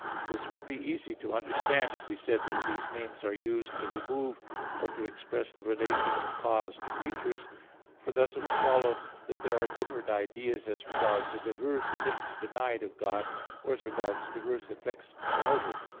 This would be easy to understand, if we said that these names are used to remove, or to express the relation of cause to creatures; for thus it would follow that there are different ideas as regards the diverse things denied of God, or as regards diverse effects connoted.